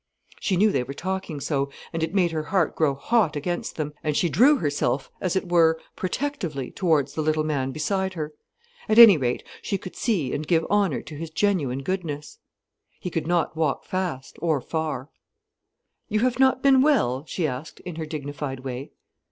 She knew they were talking so, and it made her heart grow hot against them, and she drew herself as it were protectively towards the little man beside her. At any rate, she could see and give honour to his genuine goodness. He could not walk fast, or far. "You have not been well?" she asked, in her dignified way.